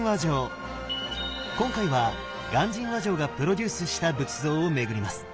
今回は鑑真和上がプロデュースした仏像を巡ります。